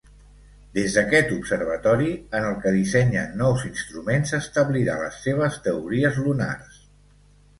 Des d'aquest observatori, en el que dissenya nous instruments, establirà les seves teories lunars.